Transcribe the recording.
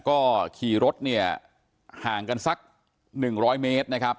ก็ขี่รถเนี่ยห่างกันสักหนึ่งร้อยเมตรนะครับ